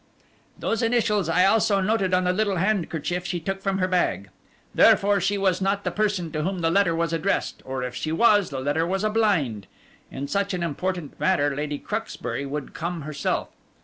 Those initials I also noted on the little handkerchief she took from her bag. Therefore she was not the person to whom the letter was addressed, or if she was, the letter was a blind. In such an important matter Lady Cruxbury would come herself.